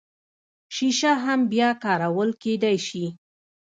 شیشه هم بیا کارول کیدی شي